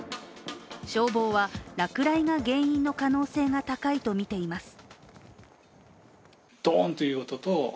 消防は、落雷が原因の可能性が高いとみています。